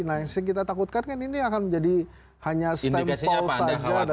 nah yang kita takutkan kan ini akan menjadi hanya stempel saja